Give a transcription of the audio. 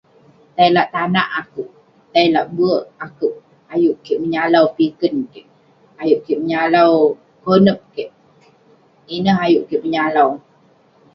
Tei lak tanak akouk, tei lak bek akouk. Ayuk menyalau kik piken kik, ayuk kik menyalau konep kik. Ineh ayuk kik menyalau.